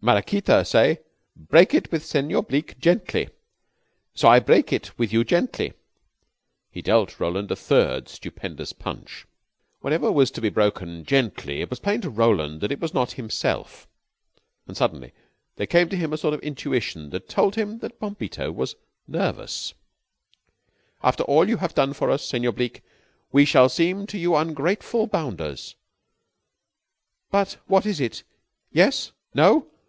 Maraquita say 'Break it with Senor Bleke gently.' So I break it with you gently." He dealt Roland a third stupendous punch. Whatever was to be broken gently, it was plain to Roland that it was not himself. And suddenly there came to him a sort of intuition that told him that Bombito was nervous. "After all you have done for us, Senor Bleke, we shall seem to you ungrateful bounders, but what is it? Yes? No?